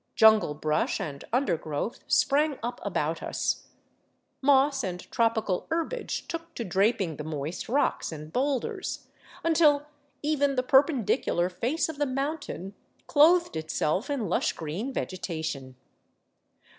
Jungle brush and undergrowth sprang up about us. Moss and trop ical herbage took to draping the moist rocks and boulders, until even the perpendicular face of the mountain clothed itself in lush green vegetation.